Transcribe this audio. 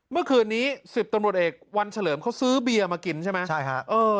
เมื่อคืนนี้๑๐ตำรวจเอกวันเฉลิมเขาซื้อเบียร์มากินใช่ไหมใช่ฮะ